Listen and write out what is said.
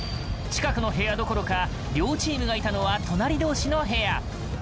近くの部屋どころか両チームがいたのは隣同士の部屋。